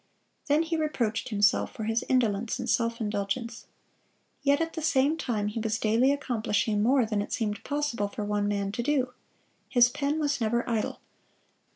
Then he reproached himself for his indolence and self indulgence. Yet at the same time he was daily accomplishing more than it seemed possible for one man to do. His pen was never idle.